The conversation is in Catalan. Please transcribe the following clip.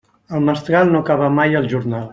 El mestral no acaba mai el jornal.